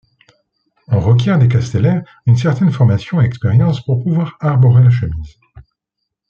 On requiert des castellers une certaine formation et expérience pour pouvoir arborer la chemise.